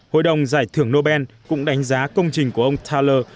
hội đồng giải thưởng nobel cũng đánh giá công trình của ông taller